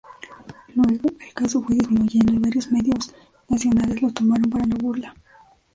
Luego el caso fue disminuyendo y varios medios nacionales lo tomaron para la burla.